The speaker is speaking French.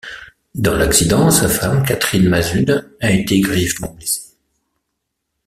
Dans l'accident, sa femme, Catherine Masud, a été grièvement blessée.